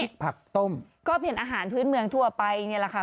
ผักต้มก็เป็นอาหารพื้นเมืองทั่วไปเนี่ยแหละค่ะ